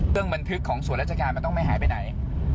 บันทึกของส่วนราชการมันต้องไม่หายไปไหน